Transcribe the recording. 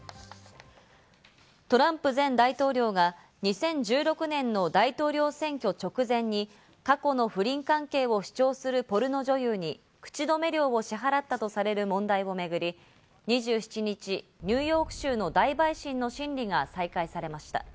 トランプ前大統領が２０１６年の大統領選挙直前に過去の不倫関係を主張するポルノ女優に口止め料を支払ったとされる問題をめぐり、２７日、ニューヨーク州の大陪審の審理が再開されました。